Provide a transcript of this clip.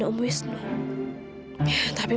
jadi tiga puluh empat tahun habis